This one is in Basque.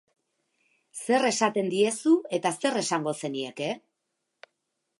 Zer esaten diezu eta zer esango zenieke?